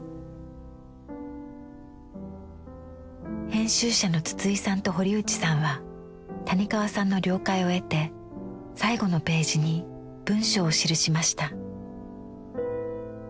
編集者の筒井さんと堀内さんは谷川さんの了解を得て最後のページに文章を記しました。